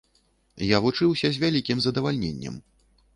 Я вучыўся з вялікім задавальненнем.